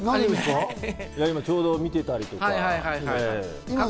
今、ちょうど見てたりとか？